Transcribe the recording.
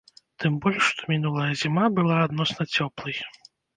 Тым больш, што мінулая зіма была адносна цёплай.